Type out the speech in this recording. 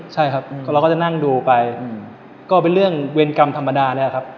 ใช่ครับเราก็จะนั่งดูไปก็เป็นเรื่องเวรกรรมธรรมดาแล้วครับ